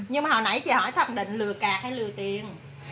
nhưng mà hồi nãy chị hỏi thật định lừa cả hay lừa tiền